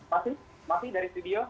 masih masih dari studio